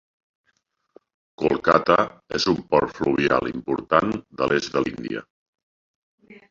Kolkata és un port fluvial important a l"est de l"Índia.